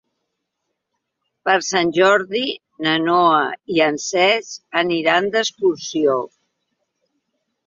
Per Sant Jordi na Noa i en Cesc aniran d'excursió.